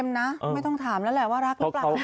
นะไม่ต้องถามแล้วแหละว่ารักหรือเปล่านะ